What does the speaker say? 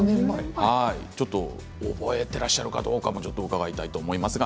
覚えていらっしゃるかどうかも伺いたいと思いますが。